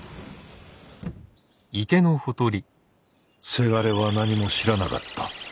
伜は何も知らなかった。